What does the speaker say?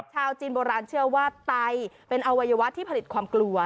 ชาวจีนโบราณเชื่อว่าไตเป็นอวัยวะที่ผลิตความกลัว